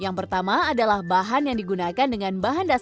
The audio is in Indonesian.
yang pertama adalah bahan yang digunakan untuk menjaga keuntungan produk ini